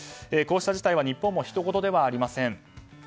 こうした事態は日本もひとごとではありません。